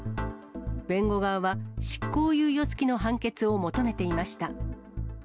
弁護側は、執行猶予付きの判決を求めていました。